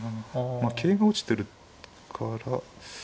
まあ桂が落ちてるから。